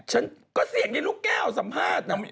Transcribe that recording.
ฉันก็เสี่ยงในลูกแก้วสัมภาษณ์